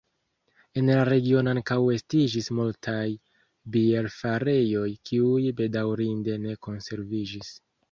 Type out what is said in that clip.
En la regiono ankaŭ estiĝis multaj bierfarejoj, kiuj bedaŭrinde ne konserviĝis.